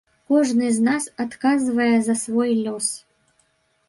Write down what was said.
Кожны з нас адказвае за свой лёс.